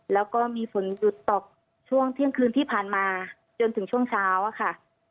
แล้วก็มีฝนหยุดตกช่วงเที่ยงคืนที่ผ่านมาจนถึงช่วงเช้าอะค่ะ